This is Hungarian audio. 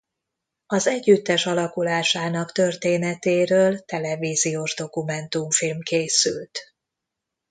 Az együttes alakulásának történetéről televíziós dokumentumfilm készült.